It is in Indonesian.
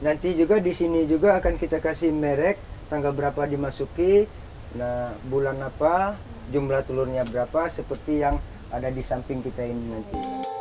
nanti juga di sini juga akan kita kasih merek tanggal berapa dimasuki bulan apa jumlah telurnya berapa seperti yang ada di samping kita ini nanti